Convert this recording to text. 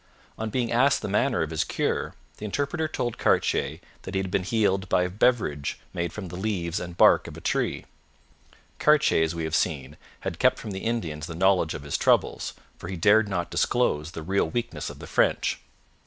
On being asked the manner of his cure, the interpreter told Cartier that he had been healed by a beverage made from the leaves and bark of a tree. Cartier, as we have seen, had kept from the Indians the knowledge of his troubles, for he dared not disclose the real weakness of the French.